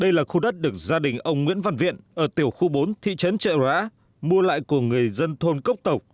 đây là khu đất được gia đình ông nguyễn văn viện ở tiểu khu bốn thị trấn trợ rã mua lại của người dân thôn cốc tộc